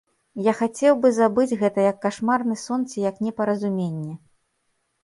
Я хацеў бы забыць гэта як кашмарны сон ці як непаразуменне.